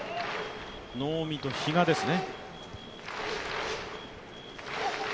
能見と比嘉ですね。